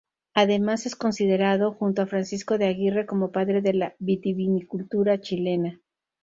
Además es considerado, junto a Francisco de Aguirre, como padre de la vitivinicultura chilena.